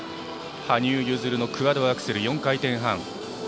羽生結弦のクアッドアクセル４回転半。